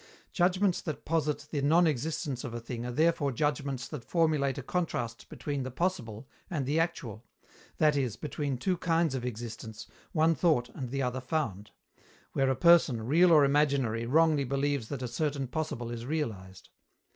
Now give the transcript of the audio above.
Judgments that posit the non existence of a thing are therefore judgments that formulate a contrast between the possible and the actual (that is, between two kinds of existence, one thought and the other found), where a person, real or imaginary, wrongly believes that a certain possible is realized.